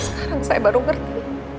sekarang saya baru ngerti